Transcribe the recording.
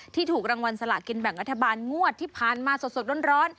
ถูกรางวัลสลากินแบ่งรัฐบาลงวดที่ผ่านมาสดร้อน